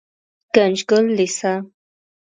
ګنجګل لېسه